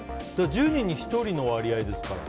１０人に１人の割合ですから。